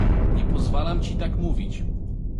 "Nie pozwalam ci tak mówić!"